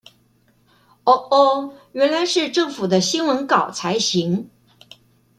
喔喔原來是政府的新聞稿才行